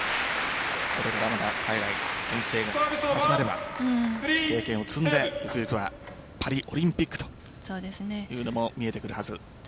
これからまだ海外遠征があれば経験を積んでゆくゆくはパリオリンピックというのも見えてくるはずです。